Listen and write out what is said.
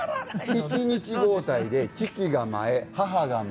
１日交代で父が前母が前。